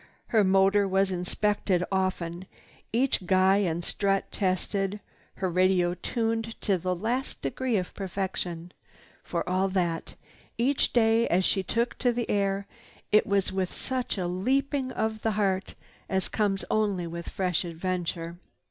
Her motor was inspected often, each guy and strut tested, her radio tuned to the last degree of perfection. For all that, each day as she took to the air it was with such a leaping of the heart as comes only with fresh adventure.